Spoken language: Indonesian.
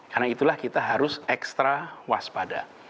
karena itulah kita harus extra waspada